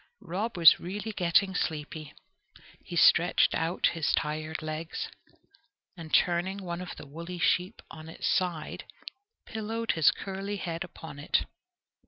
Rob was really getting sleepy. He stretched out his tired legs, and, turning one of the woolly sheep on its side, pillowed his curly head upon it.